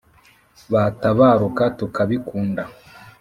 bata baruka tuka bikunda,